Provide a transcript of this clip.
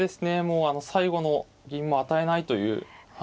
もう最後の銀も与えないという。